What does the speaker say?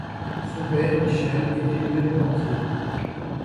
Son père Michel était lui-même banquier.